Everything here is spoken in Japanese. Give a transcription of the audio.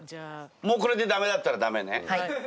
もうこれで駄目だったら駄目ね。